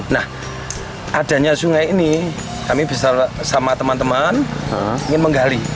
nah adanya sungai ini kami bersama teman teman ingin menggali